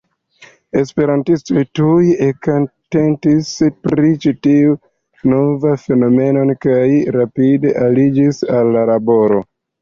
Esperantistoj tuj ekatentis pri ĉi tiu nova fenomeno, kaj rapide aliĝis al la laboro.